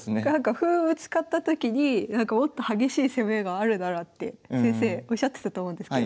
歩ぶつかったときにもっと激しい攻めがあるならって先生おっしゃってたと思うんですけど。